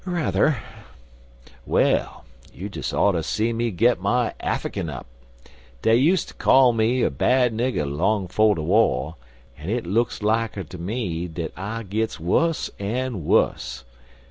"Rather." "Well, you des oughter see me git my Affikin up. Dey useter call me er bad nigger long 'fo' de war, an hit looks like ter me dat I gits wuss an' wuss.